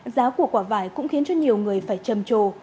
giá của quả vải cũng khiến cho nhiều người phải trầm trồ